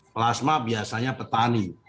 plasma biasanya petani